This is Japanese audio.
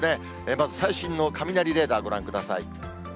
まず最新の雷レーダーご覧ください。